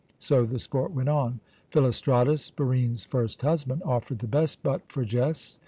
So the sport went on. Philostratus, Barine's first husband, offered the best butt for jests.